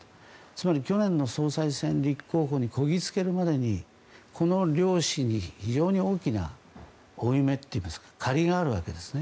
つまり去年の総裁選立候補にこぎつけるまでにこの両氏に非常に大きな負い目といいますか借りがあるわけです。